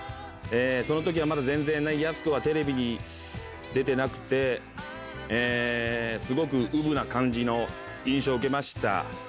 そのときはまだ全然やす子はテレビに出てなくて、えー、すごくうぶな感じの印象を受けました。